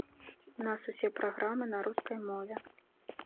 У нас усе праграмы на рускай мове.